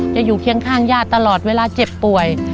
อยู่เคียงข้างญาติตลอดเวลาเจ็บป่วย